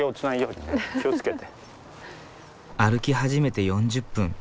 歩き始めて４０分。